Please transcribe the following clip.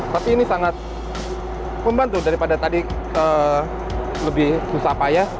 tapi ini sangat membantu daripada tadi lebih susah payah